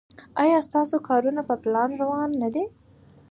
ایا ستاسو کارونه په پلان روان نه دي؟